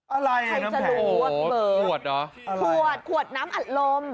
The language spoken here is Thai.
อะไรน้ำแผงโอ้โฮเบอร์ขวดอ่ะอะไรอ่ะขวดขวดน้ำอัดลม